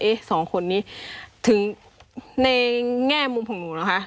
เอ๊ะ๒คนนี้ถึงในแง่มุมของหนูแล้วค่ะ